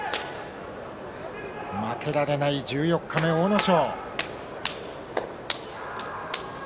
負けられない十四日目、阿武咲。